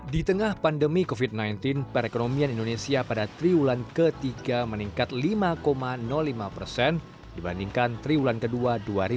di tengah pandemi covid sembilan belas perekonomian indonesia pada triwulan ketiga meningkat lima lima persen dibandingkan triwulan kedua dua ribu dua puluh